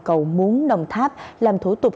cầu muốn đồng tháp làm thủ tục